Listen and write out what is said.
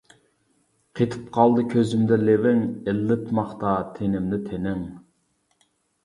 قېتىپ قالدى كۆزۈمدە لېۋىڭ، ئىللىتماقتا تېنىمنى تېنىڭ.